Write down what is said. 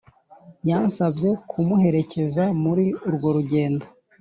yansabye kumuherekeza muri urwo rugendo